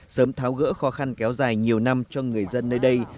sớm tháo gỡ khó khăn kéo dài nhiều năm cho người dân nơi đây